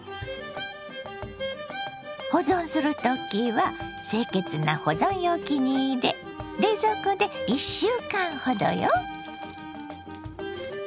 保存する時は清潔な保存容器に入れ冷蔵庫で１週間ほどよ。